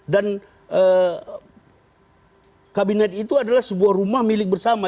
dan kabinet itu adalah sebuah rumah milik bersama